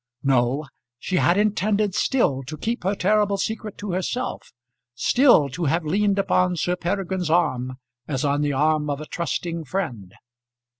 No. She had intended still to keep her terrible secret to herself; still to have leaned upon Sir Peregrine's arm as on the arm of a trusting friend.